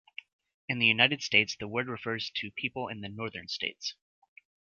In the United States, the word refers to people in the Northern states.